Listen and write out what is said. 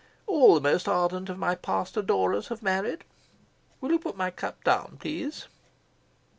All the most ardent of my past adorers have married. Will you put my cup down, please?"